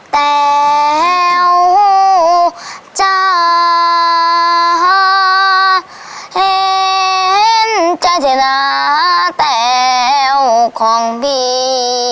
แต๋วเจ้าเห็นใจจนาแต๋วของพี่